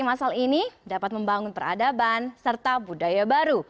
masal ini dapat membangun peradaban serta budaya baru